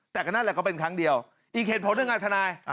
แต่ก็นั่นแหละก็เป็นครั้งเดียวอีกเหตุผลหนึ่งอ่ะทนาย